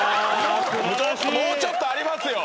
もうちょっとありますよ！